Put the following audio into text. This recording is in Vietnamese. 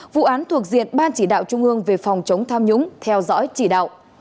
vụ án thuộc diện ban chỉ đạo trung ương về phòng chống tham nhũng theo dõi chỉ đạo